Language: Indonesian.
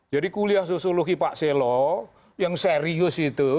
jadi kuliah sosiologi pak selo yang serius itu